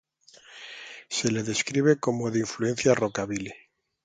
Se le describe como de influencias rockabilly.